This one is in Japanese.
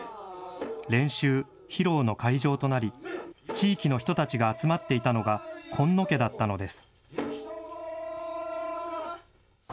練習、披露の会場となり、地域の人たちが集まっていたのが、紺野家だったのです。